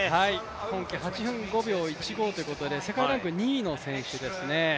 今季、８分５秒１５ということで世界ランク２位の選手ですね。